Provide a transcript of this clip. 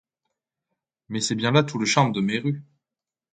Mais c'est bien là tout le charme de Meru.